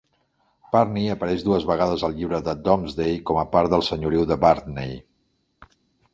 Partney apareix dues vegades al "Llibre del Domesday", com a part del senyoriu de Bardney.